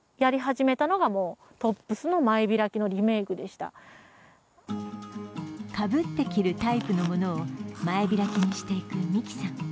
かぶって着るタイプのものを前開きにしていくみきさん。